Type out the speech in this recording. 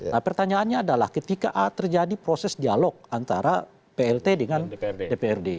nah pertanyaannya adalah ketika terjadi proses dialog antara plt dengan dprd